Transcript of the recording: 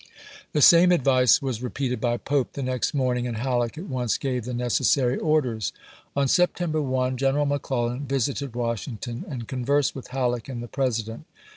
pope's vikginia campaign 21 The same advice was repeated by Pope the next chap. i. morning, and Halleck at once gave the necessary orders. On September 1, General McClellan visited 1862. Washington and conversed with Halleck and the President.